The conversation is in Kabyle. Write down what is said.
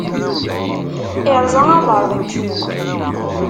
Irẓa abeṛdi i ucmux.